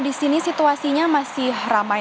disini situasinya masih ramai